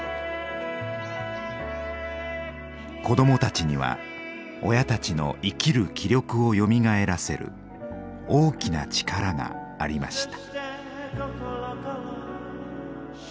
子どもたちには親たちの生きる気力をよみがえらせる大きな力がありました。